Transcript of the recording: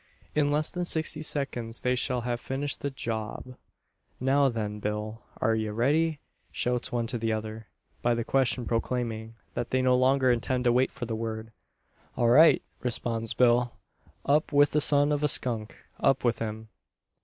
In less than sixty seconds they shall have finished the "job." "Now then, Bill! Are ye ready?" shouts one to the other by the question proclaiming, that they no longer intend to wait for the word. "All right!" responds Bill. "Up with the son of a skunk! Up with him!"